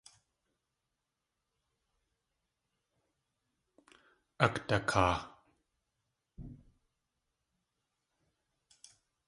Akdakaa.